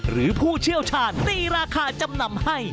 ผู้เชี่ยวชาญตีราคาจำนำให้